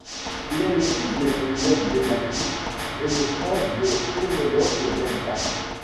Il est le fils d'Emmanuel Benákis et le frère de Penelope Delta.